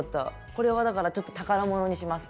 これはだからちょっと宝物にします。